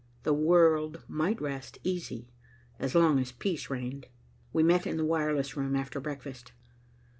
The world might rest easy, as long as peace reigned. We met in the wireless room after breakfast.